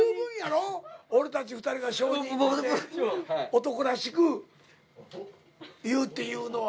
男らしく言うっていうのは。